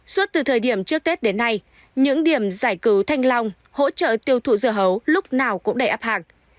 suốt từ thời điểm trước tết đến nay những điểm giải cứu thanh long hỗ trợ tiêu thụ dưa hấu lúc nào cũng đầy áp hàng